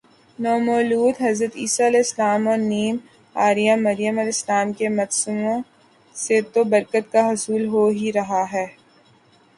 نومولود حضرت عیسی ؑ اور نیم عریاں مریم ؑ کے مجسموں سے تو برکت کا حصول ہو ہی رہا ہے